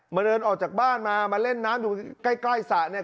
เดินออกจากบ้านมามาเล่นน้ำอยู่ใกล้สระเนี่ย